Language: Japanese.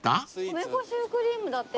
米粉シュークリームだって。